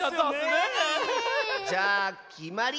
じゃあきまり！